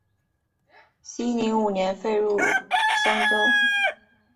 熙宁五年废入襄州。